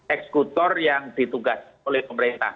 eksekutor yang ditugas oleh pemerintah